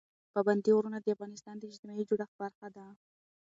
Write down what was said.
پابندي غرونه د افغانستان د اجتماعي جوړښت برخه ده.